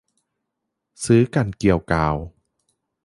ชื้อกันเกรียวกราว